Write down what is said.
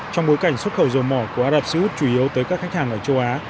trong bối cảnh xuất khẩu dầu mỏ của ả rập xê út chủ yếu tới các khách hàng ở châu á